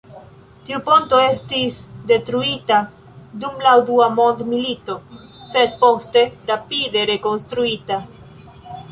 Tiu ponto estis detruita dum la dua mondmilito, sed poste rapide rekonstruita.